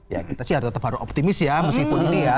ya kita sih tetap harus optimis ya meskipun ini ya